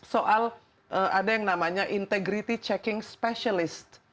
soal ada yang namanya integrity checking specialist